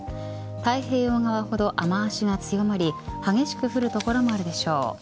太平洋側ほど雨脚が強まり激しく降る所もあるでしょう。